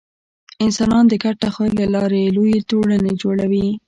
انسانان د ګډ تخیل له لارې لویې ټولنې جوړوي.